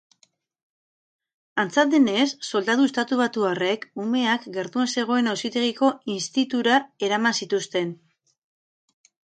Antza denez, soldadu estatubatuarrek umeak gertuen zegoen auzitegiko institura eraman zituzten.